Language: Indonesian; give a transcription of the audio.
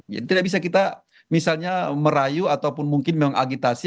jadi tidak bisa kita misalnya merayu ataupun mungkin memang agitasi